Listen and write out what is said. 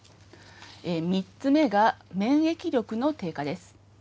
３つ目が免疫力の低下です。